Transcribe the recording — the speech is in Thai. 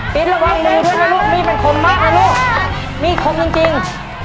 กินระวังมือด้วยนะลูกมีดมันคมมากนะลูกมีคมจริง